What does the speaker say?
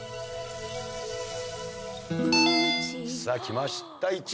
さあ来ました